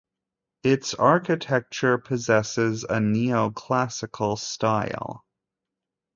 Its architecture possesses a neoclassical style.